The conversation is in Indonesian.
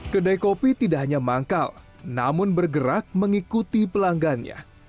kedai kopi tidak hanya manggal namun bergerak mengikuti pelanggannya